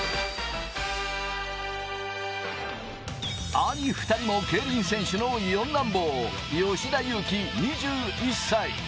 兄２人も競輪選手の四男坊・吉田有希、２１歳。